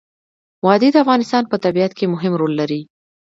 وادي د افغانستان په طبیعت کې مهم رول لري.